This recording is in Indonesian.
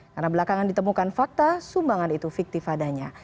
karena belakangan ditemukan fakta sumbangan itu fiktif adanya